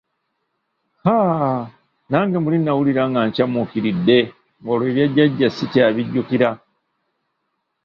Haa! Nange muli nnawulira nga ncamuukiridde ng'olwo ebya jjajja ssikyabijjukira.